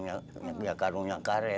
imadil karena rotary